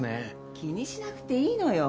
気にしなくていいのよ。